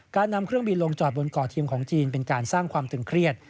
การนำเครื่องบินลงจอดบนก่อเทียมของจีนเป็นการตั้งความตื่นเครียด